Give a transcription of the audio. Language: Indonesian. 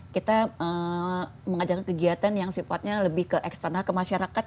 kita mengadakan kegiatan yang sifatnya lebih ke eksternal ke masyarakat